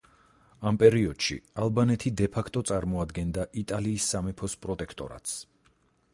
ამ პერიოდში ალბანეთი დე-ფაქტო წარმოადგენდა იტალიის სამეფოს პროტექტორატს.